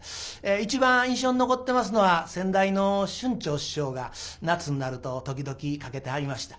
一番印象に残ってますのは先代の春蝶師匠が夏になると時々かけてはりました。